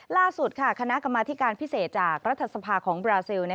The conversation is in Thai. ล่าสุดคณะกรรมธิการพิเศษจากรัฐสภาของบราซิล